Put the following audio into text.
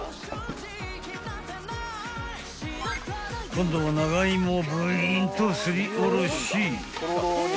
［今度は長芋をブイーンとすりおろし］